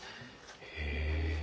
へえ。